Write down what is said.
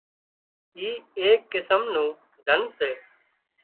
اي ايڪ قسم نُون ڌنَ سي